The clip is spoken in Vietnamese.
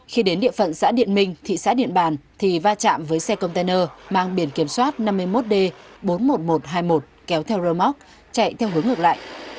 khi đến địa phận xã điện minh thị xã điện bàn thì va chạm với xe container mang biển kiểm soát năm mươi một d bốn mươi một nghìn một trăm hai mươi một kéo theo rơ móc chạy theo hướng ngược lại